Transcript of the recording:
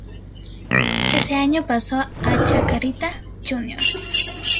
Ese año pasó al Chacarita Juniors.